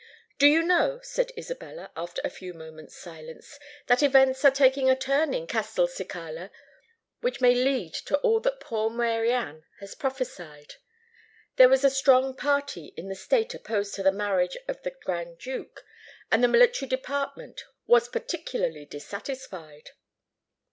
"Do you know," said Isabella, after a few moments' silence, "that events are taking a turn in Castelcicala, which may lead to all that poor Mary Anne has prophesied? There was a strong party in the state opposed to the marriage of the Grand Duke; and the military department was particularly dissatisfied."